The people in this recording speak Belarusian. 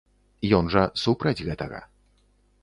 Ён жа супраць гэтага.